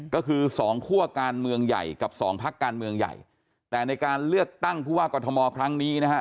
ก็คือสองคั่วการเมืองใหญ่กับสองพักการเมืองใหญ่แต่ในการเลือกตั้งผู้ว่ากรทมครั้งนี้นะฮะ